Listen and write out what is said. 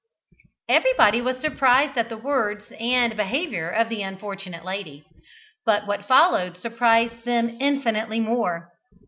Everybody was surprised at the words and behaviour of the unfortunate lady. But what followed surprised them infinitely more.